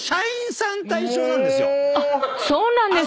あっそうなんですか。